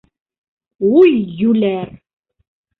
Уй, йүләр!